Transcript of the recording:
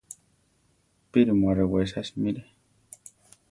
¡Píri mu arewesa simire!